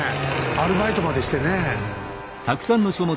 アルバイトまでしてね。